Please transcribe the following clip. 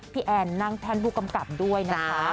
แอนนั่งแท่นผู้กำกับด้วยนะคะ